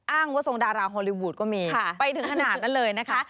อ้างว่าทรงดาราฮอลลีวูดก็มีไปถึงขนาดนั้นเลยนะคะ